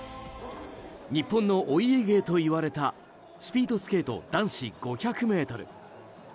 日本のお家芸と言われたスピードスケート男子５００ｍ。